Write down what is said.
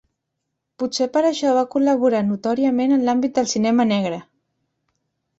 Potser per això va col·laborar notòriament en l’àmbit del cinema negre.